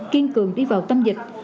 kiên cường đi vào tâm dịch